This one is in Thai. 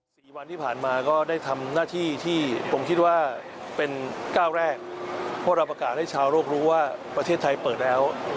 สี่วันที่ผ่านมาก็ได้ทำหน้าที่ที่ผมคิดว่าเป็นก้าวแรกเพราะเราประกาศให้ชาวโลกรู้ว่าประเทศไทยเปิดแล้ว